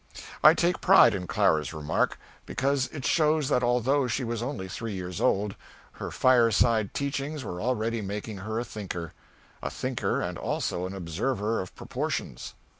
I take pride in Clara's remark, because it shows that although she was only three years old, her fireside teachings were already making her a thinker a thinker and also an observer of proportions.